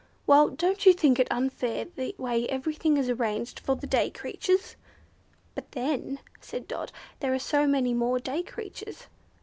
Well, don't you think it unfair the way everything is arranged for the day creatures?" "But then," said Dot. "there are so many more day creatures."